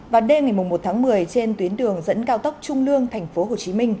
vào đêm một mươi một tháng một mươi trên tuyến đường dẫn cao tốc trung lương thành phố hồ chí minh